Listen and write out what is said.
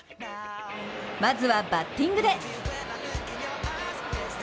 まずはバッティングで。